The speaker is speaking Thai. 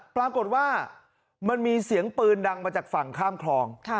ปรากฏว่ามันมีเสียงปืนดังมาจากฝั่งข้ามคลอง